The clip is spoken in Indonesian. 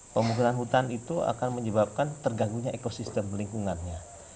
pembukaan hutan itu akan menyebabkan terganggu ekosistem lingkungannya